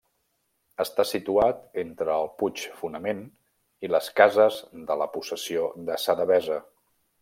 Està situat entre el puig Fonament i les cases de la possessió de sa Devesa.